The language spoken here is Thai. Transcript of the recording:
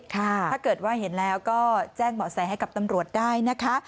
ถ้าเกิดว่าเห็นแล้วก็แจ้งเหมาะแสให้กับตำรวจได้นะคะ